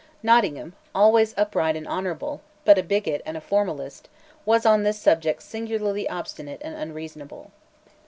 Nottingham, always upright and honourable, but a bigot and a formalist, was on this subject singularly obstinate and unreasonable.